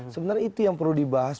sebenarnya itu yang perlu dibahas